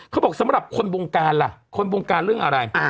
เขาบอกสำหรับคนวงการล่ะคนวงการเรื่องอะไร